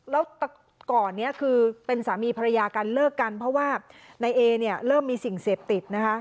แล้วแต่ก่อนนี้คือเป็นสามีภรรยากันเลิกกันเพราะว่านายเอเนี่ยเริ่มมีสิ่งเสพติดนะคะ